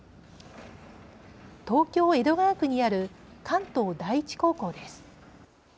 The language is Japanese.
東京、江戸川区にある関東第一高校です。